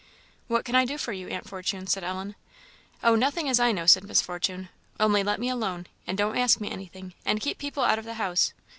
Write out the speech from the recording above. "What can I do for you, Aunt Fortune?" said Ellen. "Oh, nothing as I know," said Miss Fortune "only let me alone, and don't ask me anything, and keep people out of the house.